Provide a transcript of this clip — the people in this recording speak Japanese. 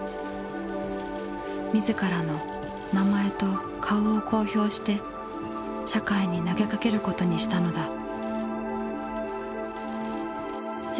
自らの名前と顔を公表して社会に投げかけることにしたのだ。